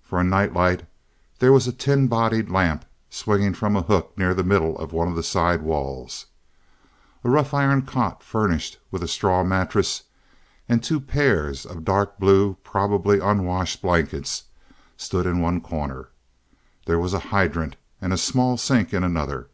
For a night light there was a tin bodied lamp swinging from a hook near the middle of one of the side walls. A rough iron cot, furnished with a straw mattress and two pairs of dark blue, probably unwashed blankets, stood in one corner. There was a hydrant and small sink in another.